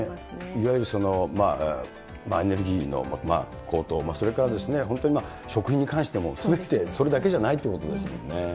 いわゆるエネルギーの高騰、それから食品に関してもすべて、それだけじゃないってことですもんね。